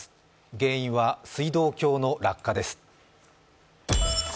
原因は水道橋の落下です。